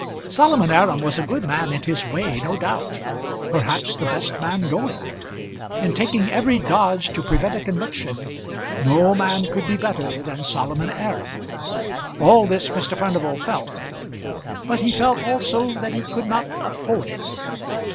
Solomon Aram was a good man in his way no doubt; perhaps the best man going. In taking every dodge to prevent a conviction no man could be better than Solomon Aram. All this Mr. Furnival felt; but he felt also that he could not afford it.